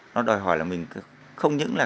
nó đòi hỏi là mình không những là